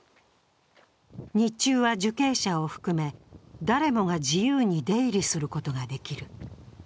日中は受刑者を含め誰もが自由に出入りすることができる。